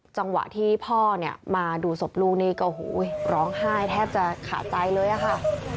จังหวะที่พ่อเนี่ยมาดูศพลูกนี่ก็ร้องไห้แทบจะขาดใจเลยอะค่ะ